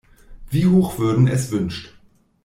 Wie Hochwürden es wünscht.